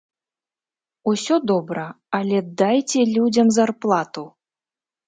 Усё добра, але дайце людзям зарплату!